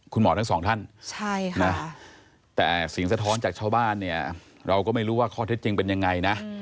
คุณหมอทั้งสองท่านแต่เสียงสะท้อนจากชาวบ้านเนี่ยเราก็ไม่รู้ว่าข้อเท็จจริงเป็นยังไงนะ